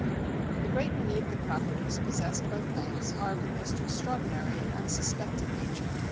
A great many of the properties possessed by plants are of the most extraordinary and unsuspected nature.